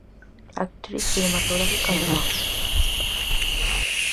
Actriz cinematográfica alemá.